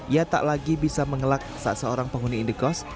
ia tak lagi bisa mengelak saat seorang penghuni indikos